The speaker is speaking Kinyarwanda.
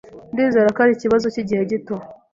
Ndizera ko ari ikibazo cyigihe gito.